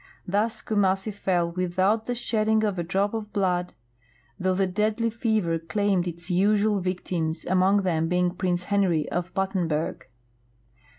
Thus Kumassi fell without the shedding of a drop of blood, though the deadly fever claimed its usual vic tims, among them being Prince Henry of Battenberg.